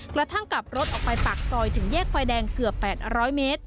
กระทั่งกลับรถออกไปปากซอยถึงแยกไฟแดงเกือบ๘๐๐เมตร